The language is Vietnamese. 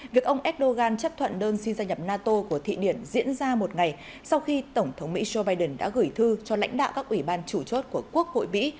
việc ông erdogan chấp thuận đơn xin gia nhập nato của thụy điển diễn ra một ngày sau khi tổng thống mỹ joe biden đã gửi thư cho lãnh đạo các ủy ban chủ chốt của quốc hội mỹ